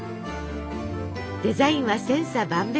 デザインは千差万別！